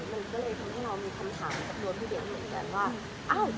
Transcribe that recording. มันก็เลยทำให้เรามีคำถามกับตัวพี่เลี้ยงเหมือนกันว่า